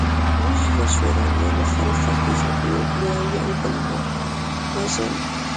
موږ له شورویانو سره سختې جګړې وکړې او یو بل مو وژل